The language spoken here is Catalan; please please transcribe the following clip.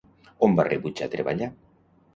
On va rebutjar treballar?